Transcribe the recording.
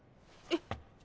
えっ？